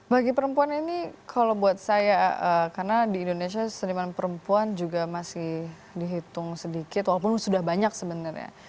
bagi perempuan ini kalau buat saya karena di indonesia seniman perempuan juga masih dihitung sedikit walaupun sudah banyak sebenarnya